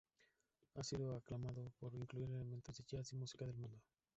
Han sido aclamados por incluir elementos de Jazz y Música del Mundo.